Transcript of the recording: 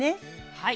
はい。